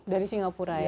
dari singapura ya